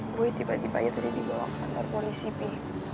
pui tiba tibanya tadi dibawa ke kantor polisi pi